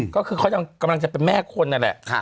ก็คือเขากำลังจะเป็นแม่คนนั่นแหละ